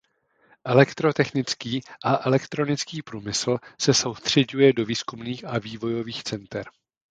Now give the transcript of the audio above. Elektrotechnický a elektronický průmysl se soustřeďuje do výzkumných a vývojových center.